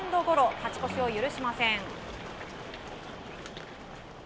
勝ち越しを許しません。